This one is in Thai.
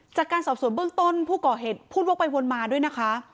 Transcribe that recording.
จากการสอบสวนเบื้องต้นผู้ก่อเหตุพูดวกไปวนมาด้วยนะคะ